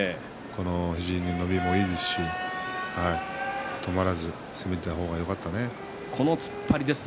肘の伸びもいいし止まらず攻めたのはよかったね。